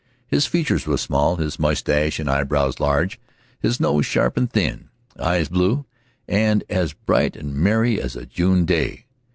His features were small, his mustache and eyebrows large, his nose sharp and thin, his eyes blue, and as bright and merry as a June day.